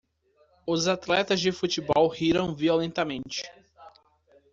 Os atletas de futebol riram violentamente.